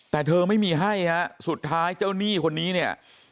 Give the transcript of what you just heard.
แต่เธอไม่มีให้ฮะสุดท้ายเจ้าหนี้คนนี้เนี่ย